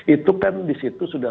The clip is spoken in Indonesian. itu kan disitu sudah